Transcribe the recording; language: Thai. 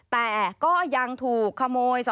แต่ก็ยังถูกขโมย